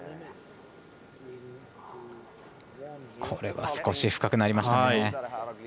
これは少し深くなりましたね。